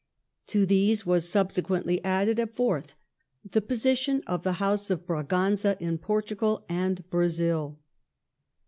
To these was subsequently added a fourth : the position of the House of Braganza in Portugal and Brazil.